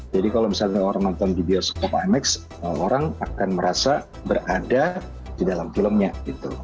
jadi kalau misalnya orang nonton di bioskop imax orang akan merasa berada di dalam filmnya gitu